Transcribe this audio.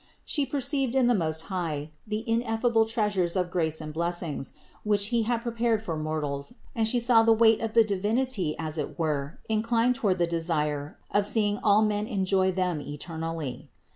She perceived in the Most High the ineffable treasures of grace and blessings, which He had prepared for mortals and She saw the weight of the Divinity as it were inclined toward the desire of seeing all men enjoy them eternally.